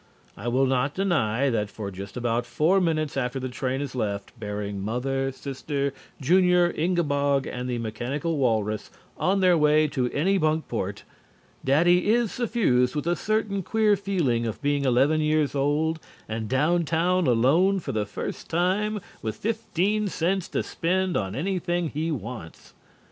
I will not deny that for just about four minutes after the train has left, bearing Mother, Sister, Junior, Ingabog and the mechanical walrus on their way to Anybunkport, Daddy is suffused with a certain queer feeling of being eleven years old and down town alone for the first time with fifteen cents to spend on anything he wants.